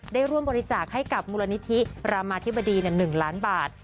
ได้ร่วมบริจาคให้กับมูลนิธิรามาธิบดี๑ล้านบาท